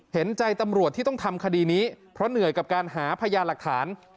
เห็นใจตำรวจที่ต้องทำคดีนี้เพราะเหนื่อยกับการหาพยานหลักฐาน